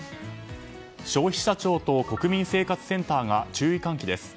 消費者庁と国民生活センターが注意喚起です。